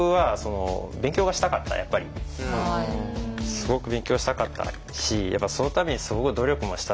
すごく勉強したかったしそのためにすごく努力もしたし。